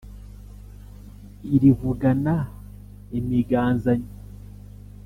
Irivugana imiganzanyo.